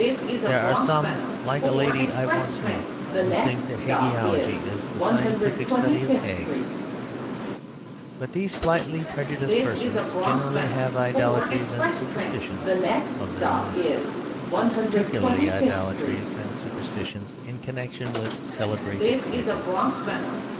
There are some, like a lady I once knew, who think that hagiology is the scientific study of hags. But these slightly prejudiced persons generally have idolatries and superstitions of their own, particularly idolatries and superstitions in connection with celebrated people.